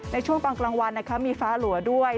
ในช่วงตอนกลางวันนะคะมีฟ้าหลัวด้วย